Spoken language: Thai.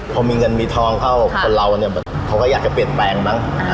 พอมีเงินมีทองเข้าคนเราเนี่ยเขาก็อยากจะเปลี่ยนแปลงมั้ง